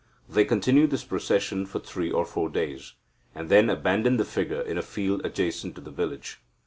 They continue this procession for three or four days, and then abandon the figure in a field adjacent to the village.